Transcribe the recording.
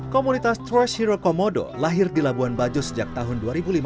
komunitas trust hero komodo lahir di labuan bajo sejak tahun dua ribu lima belas